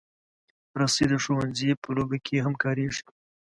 رسۍ د ښوونځي په لوبو کې هم کارېږي.